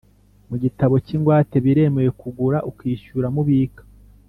mu gitabo cy ingwate biremewe kuguza ukishyura mubika